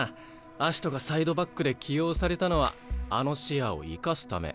アシトがサイドバックで起用されたのはあの視野を生かすため。